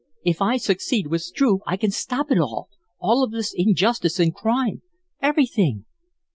"If I succeed with Struve I can stop it all all of this injustice and crime everything."